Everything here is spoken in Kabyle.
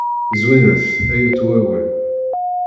Zwiret, ay at wawal.